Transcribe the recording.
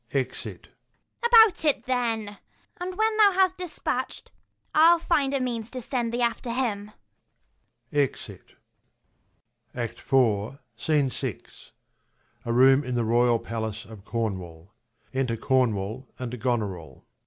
[Exit. Ragan. About it then, and when thou hast dispatch'd, I'll find a means to send thee after him. [Exit. SCENE VI. A room in the royal palace of Cornwall. Enter Cornwall and Gonorill. Corn.